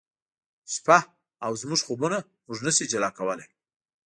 شپه او زموږ خوبونه موږ نه شي جلا کولای